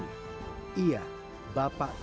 dua puluh tahun habibi menduduki kursi ini